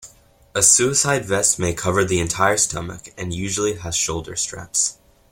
A suicide vest may cover the entire stomach and usually has shoulder straps.